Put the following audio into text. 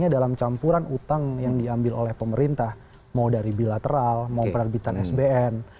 dalam campuran utang yang diambil oleh pemerintah mau dari bilateral mau penerbitan sbn